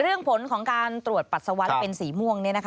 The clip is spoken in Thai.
เรื่องผลของการตรวจปัสสาวะเป็นสีม่วงนี้